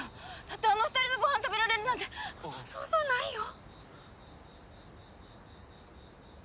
だってあの２人とご飯食べられるなんてそうそうないよ！